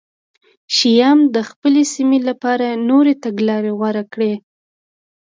شیام د خپلې سیمې لپاره نوې تګلاره غوره کړه